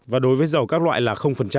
và đối với dầu các loại là